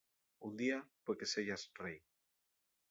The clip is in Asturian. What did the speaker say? Un día pue que seyas Rei.